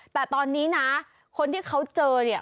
แต่ตอนนี้นะคนที่เขาเจอเนี่ย